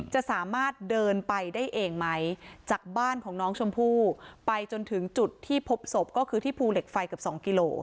จะสามารถเดินไปได้เองไหมจากบ้านของน้องชมพู่ไปจนถึงจุดที่พบศพก็คือที่ภูเหล็กไฟเกือบสองกิโล